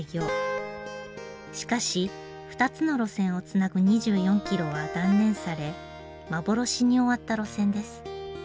しかし２つの路線をつなぐ２４キロは断念され幻に終わった路線です。